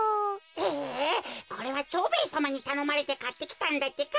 えっこれは蝶兵衛さまにたのまれてかってきたんだってか。